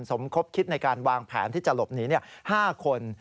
สมคบคิดในการวางแผนที่จะหลบหนี๕คน